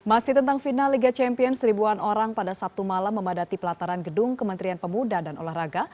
masih tentang final liga champions ribuan orang pada sabtu malam memadati pelataran gedung kementerian pemuda dan olahraga